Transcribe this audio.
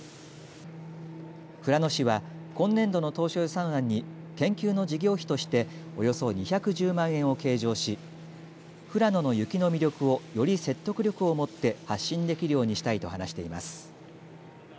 富良野市は今年度の当初予算案に研究の事業費としておよそ２１０万円を計上し富良野の雪の魅力をより説得力を持って発信できるようにしたいと話しています。